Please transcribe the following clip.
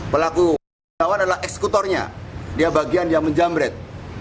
pelaku yang menjawab adalah eksekutornya dia bagian yang menjamret